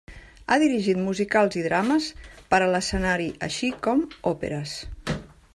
Ha dirigit musicals i drames per a l'escenari, així com òperes.